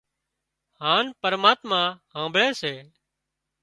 هانَ پرماتما هانڀۯي سي